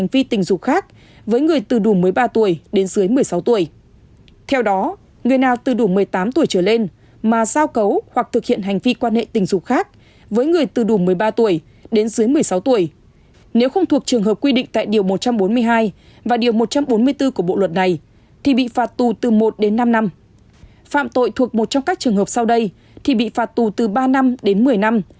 phạm tội thuộc một trong các trường hợp sau đây thì bị phạt tù từ ba năm đến một mươi năm